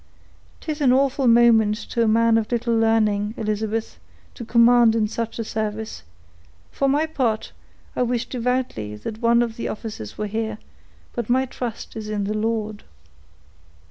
'Tis an awful moment to a man of little learning, Elizabeth, to command in such a service; for my part, I wish devoutly that one of the officers were here; but my trust is in the Lord."